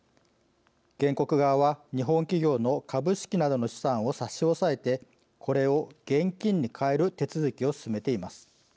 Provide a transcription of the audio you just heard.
原告側は、日本企業の株式などの資産を差し押さえてこれを現金に換える手続きを進めています。